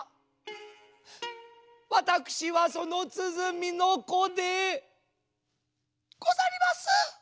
わたくしはそのつづみのこでござります。